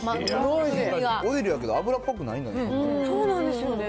オイルやけど、油っこくないもんね。